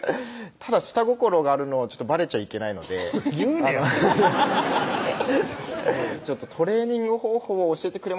ただ下心があるのをばれちゃいけないので言うねや「トレーニング方法を教えてくれませんか？」